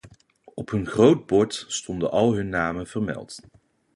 Op een groot bord stonden al hun namen vermeld.